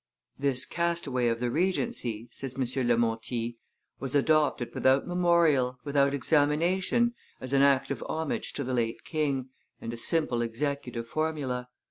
"This castaway of the regency," says M. Lemontey, "was adopted without memorial, without examination, as an act of homage to the late king, and a simple executive formula.